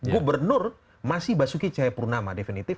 gubernur masih basuki cahayapurnama definitif